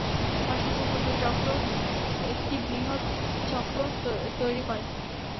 অসংখ্য ক্ষুদ্র চক্র একটি বৃহৎ চক্র তৈরি করে।